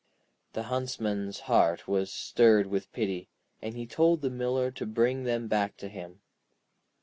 The Huntsman's heart was stirred with pity, and he told the Miller to bring them back to him.